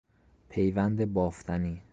پیوند بافتنی